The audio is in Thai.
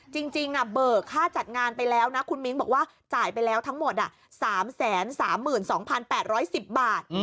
เบิกค่าจัดงานไปแล้วนะคุณมิ้งบอกว่าจ่ายไปแล้วทั้งหมด๓๓๒๘๑๐บาท